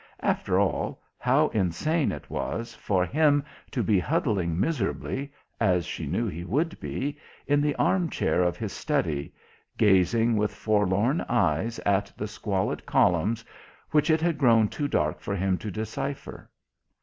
After all, how insane it was for him to be huddling miserably, as she knew he would be, in the arm chair of his study, gazing with forlorn eyes at the squalid columns, which it had grown too dark for him to decipher.